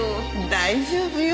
大丈夫よ。